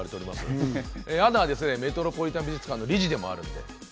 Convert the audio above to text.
メトロポリタン美術館の理事でもあります。